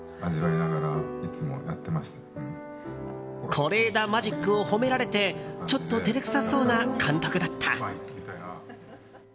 是枝マジックを褒められてちょっと照れくさそうな監督だった。